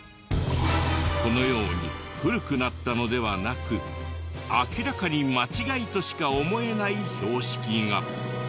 このように古くなったのではなく明らかに間違いとしか思えない標識が。